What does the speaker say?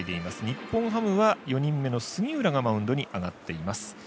日本ハムは杉浦がマウンドに上がっています。